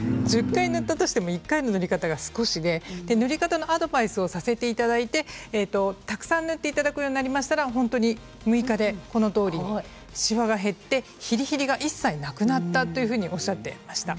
１０回塗ったとしても１回の塗り方が少しで塗り方のアドバイスをしてたくさん塗っていただくようになったら６日でこのとおりにしわが減ってヒリヒリが一切なくなったとおっしゃっていました。